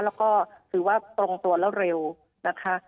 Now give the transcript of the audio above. แล้วก็ถือว่าตรงตัวแล้วเร็วนะคะ